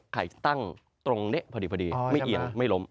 ไข่ต่างตรงเนี่ยพอดีไม่อิ่งไม่ล้ม